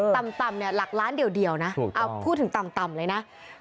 ต่ำหลักล้านเดียวนะพูดถึงต่ำเลยนะส่วนต้อง